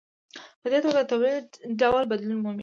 په دې توګه د تولید ډول بدلون مومي.